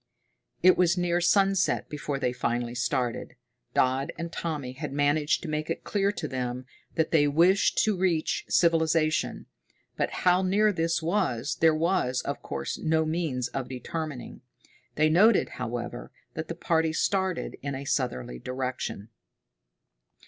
It was near sunset before they finally started. Dodd and Tommy had managed to make it clear to them that they wished to reach civilization, but how near this was there was, of course, no means of determining. They noted, however, that the party started in a southerly direction.